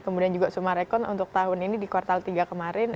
kemudian juga sumarekon untuk tahun ini di kuartal tiga kemarin